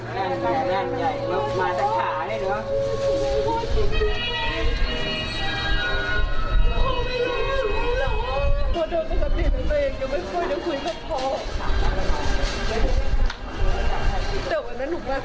คิดว่าเขาก็กลับตอนนี้ไปได้ไม่ได้คุยแค่แค่ดรงแลนฉ่อ